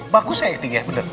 bagus ya actingnya